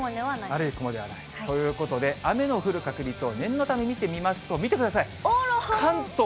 悪い雲ではないということで、雨の降る確率を念のため見てみますと、見てください。